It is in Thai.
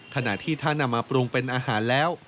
ขณะที่ถ้านำมาปรุงเป็นอาหารแล้ว